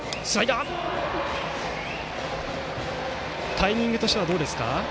タイミングとしてはどうですか？